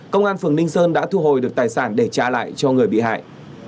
công an phường ninh sơn đã thu hồi được tài sản để trả lại cho người bị hại